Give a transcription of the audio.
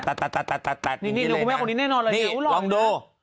ฮ้าเฉียลจ